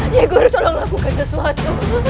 dia guru tolong lakukan sesuatu